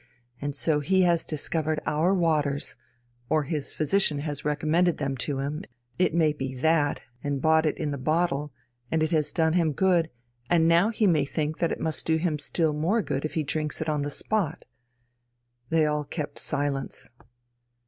And so he has discovered our waters or his physician has recommended them to him, it may be that, and bought it in the bottle, and it has done him good, and now he may think that it must do him still more good if he drinks it on the spot." They all kept silence.